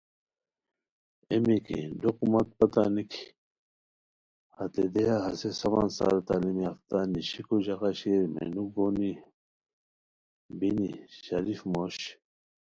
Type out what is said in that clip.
ایے میکی ڈوق مت پتہ نِکی، ہتے دیہہ ہسے سفان سار تعلیم یافتہ، نیشیکو ژاغہ شیر، مینو گونی بینی، شریف موش